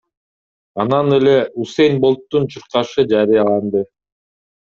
Анан эле Усэйн Болттун чуркашы жарыяланды.